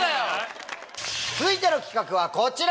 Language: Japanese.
続いての企画はこちら！